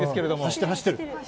走ってる、走ってる。